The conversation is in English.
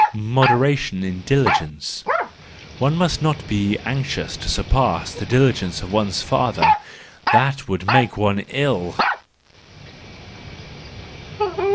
Moderation in Diligence .—One must not be anxious to surpass the diligence of one's father— that would make one ill.